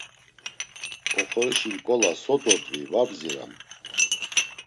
Oxorişi nǩola so dodvi, var bziram.